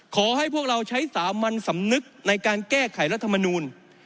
ขอให้พวกเราใช้สามัญสำนึกในการแก้ไขรัฐมนูล